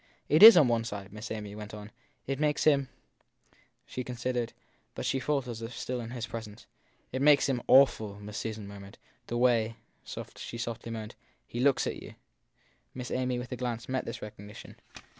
It is on one side, Miss Amy went on. It makes him she considered. But she faltered as if still in his presence. 256 THE THIED PERSON It makes him awful! Miss Susan murmured. The way, she softly moaned, he looks at you! Miss Amy, with a glance, met this recognition.